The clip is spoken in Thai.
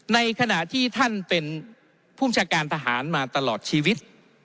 ในขณะที่ท่านเป็นผู้บัญชาการทหารมาตลอดชีวิต